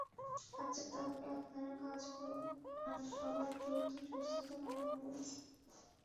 আচ্ছা তাহলে, আপনারা কাজ করুন, আর সবার দ্রুত সুস্থতা কামনা করছি।